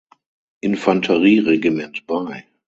Infanterieregiment bei.